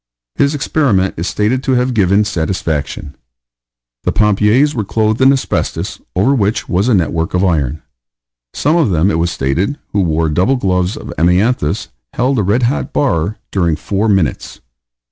His experiment is stated to have given satisfaction. The pompiers were clothed in asbestos, over which was a network of iron. Some of them, it was stated, who wore double gloves of amianthus, held a red hot bar during four minutes.